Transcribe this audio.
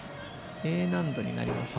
Ａ難度になりますね。